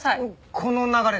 この流れで？